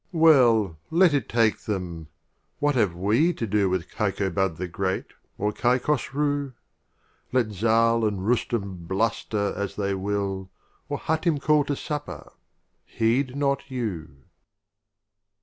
X. Well, let it take them ! What have we to do With Kaikobad the Great, or Kaik hosrii ? Let Zal and Rustum bluster as they will, Or Hatim call to Supper — heed not you.